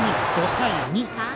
５対２。